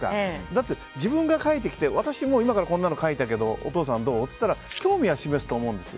だって、自分が書いてきて私、今からこんなの書いたけどお父さんどう？って言ったら興味は示すと思うんです。